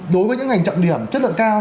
đối với những ngành trọng điểm chất lượng cao